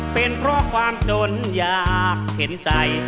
เป็นเพราะความจนอยากเห็นใจ